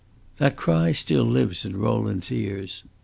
That cry still lives in Rowland's ears.